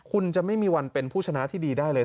คุณจะไม่มีวันเป็นผู้ชนะที่ดีได้เลย